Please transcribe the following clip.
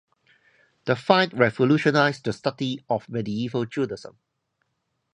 The find revolutionized the study of Medieval Judaism.